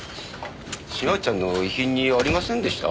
島内ちゃんの遺品にありませんでした？